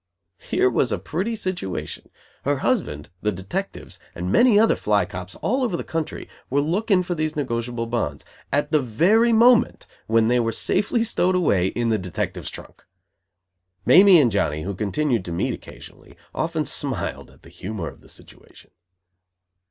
Here was a pretty situation. Her husband, the detectives, and many other "fly cops" all over the country, were looking for these negotiable bonds, at the very moment when they were safely stowed away in the detective's trunk. Mamie and Johnny, who continued to meet occasionally, often smiled at the humor of the situation.